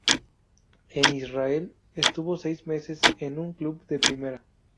En Israel estuvo seis meses en un club de Primera.